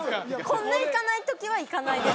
こんないかない時はいかないです